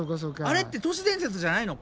あれって都市伝説じゃないの？